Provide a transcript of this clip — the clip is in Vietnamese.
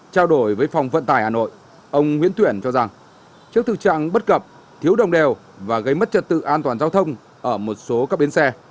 trao đổi với phòng vận tải hà nội ông nguyễn tuyển cho rằng trước thực trạng bất cập thiếu đồng đều và gây mất trật tự an toàn giao thông ở một số các bến xe